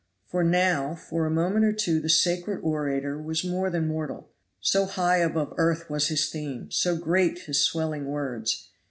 For now for a moment or two the sacred orator was more than mortal; so high above earth was his theme, so great his swelling words.